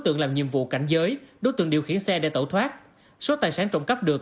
tượng làm nhiệm vụ cảnh giới đối tượng điều khiển xe để tẩu thoát số tài sản trộm cắp được